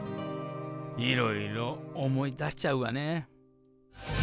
いろいろ思い出しちゃうわね。